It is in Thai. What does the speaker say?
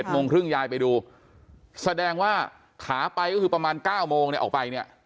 โมงครึ่งยายไปดูแสดงว่าขาไปก็คือประมาณ๙โมงเนี่ยออกไปเนี่ย